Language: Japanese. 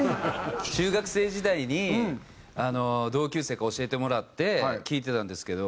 中学生時代に同級生から教えてもらって聴いてたんですけど。